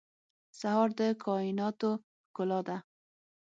سهار د کایناتو ښکلا ده.